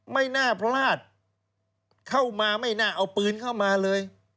ไม่น่าพลาดเข้ามาไม่น่าเอาปืนเข้ามาเลย